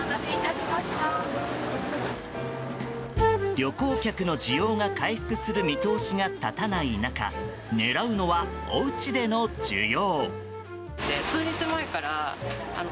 旅行客の需要が回復する見通しが立たない中狙うのは、おうちでの需要。